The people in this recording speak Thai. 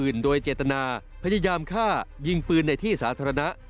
เจตนาพยายามฆ่ายิงปืนในที่สาธารณะ